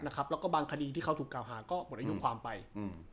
แล้วก็บางคดีที่เขาถูกกล่าวหาก็หมดอายุความไปอืม